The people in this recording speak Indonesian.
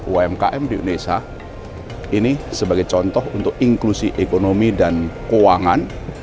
umkm di indonesia ini sebagai contoh untuk inklusi ekonomi dan keuangan